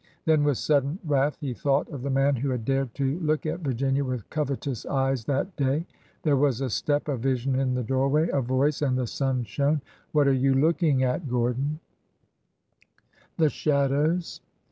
Then with sudden wrath he thought of the man who had dared to look at Virginia with covetous eyes that day. There was a step, a vision in the doorway, a voice, — and the sun shone. What are you looking at, Gordon ?" 62 ORDER NO. 11 '' The shadows.''